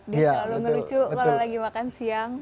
dia selalu ngelucu kalau lagi makan siang